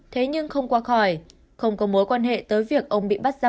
thế nhưng không qua khỏi không có mối quan hệ tới việc ông bị bắt ra